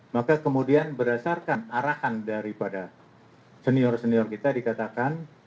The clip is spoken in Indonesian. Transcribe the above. maka kemudian berdasarkan arahan daripada senior senior kita dikatakan